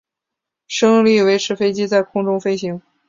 升力维持飞机在空中飞行。